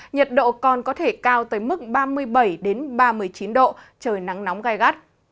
nhiệt độ còn có thể cao tới mức ba mươi bảy ba mươi chín độ trời nắng nóng gai gắt